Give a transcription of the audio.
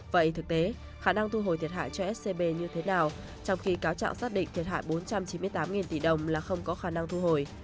vậy thực tế khả năng thu hồi thiệt hại cho scb như thế nào trong khi cáo trạng xác định thiệt hại bốn trăm chín mươi tám tỷ đồng là không có khả năng thu hồi